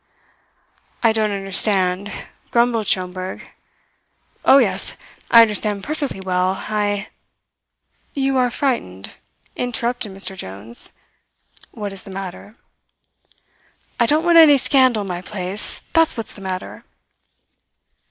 "I don't understand," grumbled Schomberg. "Oh, yes, I understand perfectly well. I " "You are frightened," interrupted Mr. Jones. "What is the matter?" "I don't want any scandal in my place. That's what's the matter."